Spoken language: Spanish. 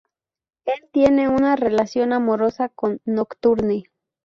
Él tiene una relación amorosa con Nocturne.